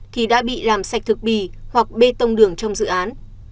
thì đã bị làm sạch thực bì hoặc bê tông đường trong dự án